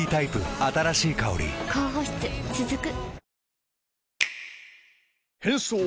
新しい香り高保湿続く。